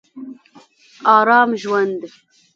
ارام ژوند